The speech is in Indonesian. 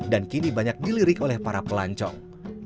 dan kini banyak dilirik oleh para pelancong